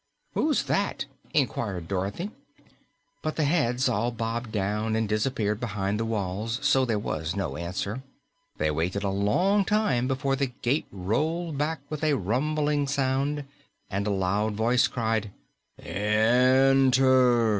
"Who's that?" inquired Dorothy. But the heads had all bobbed down and disappeared behind the walls, so there was no answer. They waited a long time before the gate rolled back with a rumbling sound, and a loud voice cried, "Enter!"